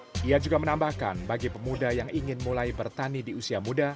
dia juga menambahkan bagi pemuda yang ingin mulai bertani di usia muda